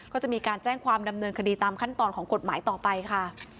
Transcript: ก็จะมีการแจ้งความดำเนินคดีตามขั้นตอนของกฎหมายต่อไปค่ะ